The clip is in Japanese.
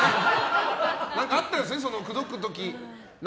何かあったんですよね、口説く時。